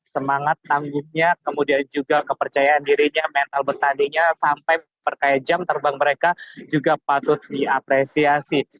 semangat tangguhnya kemudian juga kepercayaan dirinya mental bertandingnya sampai memperkaya jam terbang mereka juga patut diapresiasi